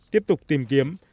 tiếp tục tìm kiếm